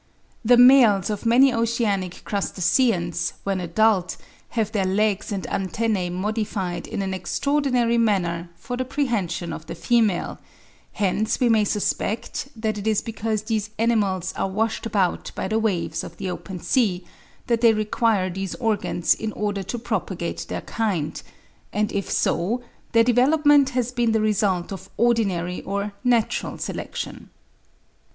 The males of many oceanic crustaceans, when adult, have their legs and antennae modified in an extraordinary manner for the prehension of the female; hence we may suspect that it is because these animals are washed about by the waves of the open sea, that they require these organs in order to propagate their kind, and if so, their development has been the result of ordinary or natural selection.